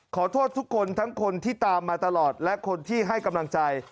ขอโทษทุกคนทั้งคนที่ตามมาตลอดและคนที่ให้กำลังใจ